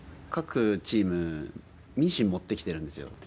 各チームミシン持ってきてるんですよ。